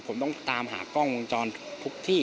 ผมต้องตามหากล้องวงจรทุกที่